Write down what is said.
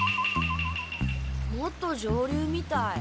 もっと上流みたい。